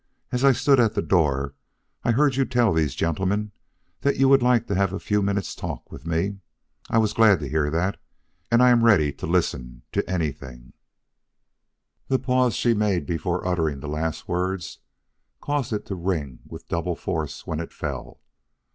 As I stood at the door, I heard you tell these gentlemen that you would like to have a few minutes' talk with me. I was glad to hear that; and I am ready to listen to anything." The pause she made before uttering the last word caused it to ring with double force when it fell.